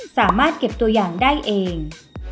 สามารถเก็บตัวอย่างได้เอง